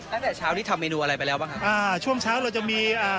ตั้งแต่เช้านี้ทำเมนูอะไรไปแล้วบ้างครับอ่าช่วงเช้าเราจะมีอ่า